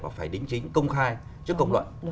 và phải đính chính công khai trước công luận